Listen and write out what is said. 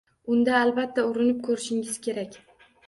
Unda albatta urinib ko’rishingiz kerak